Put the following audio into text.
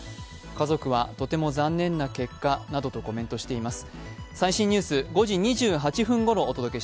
家族は、とても残念な結果などとコメントしています。